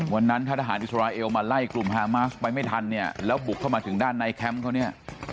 วันนั้นถ้าทหารอิสราเอลมาไล่กลุ่มฮามาสไปไม่ทันเนี่ยแล้วบุกเข้ามาถึงด้านในแคมป์เขาเนี่ย